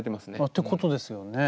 ってことですよね。